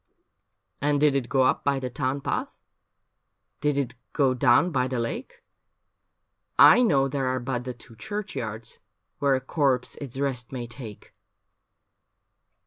' And did it go up by the town path, Did it go down by the lake ? I know there are but the two cluirchyards Where a corpse its rest may take.'